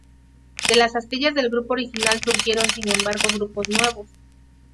De las astillas del grupo original surgieron sin embargo grupos nuevos.